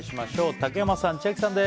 竹内さん、千秋さんです。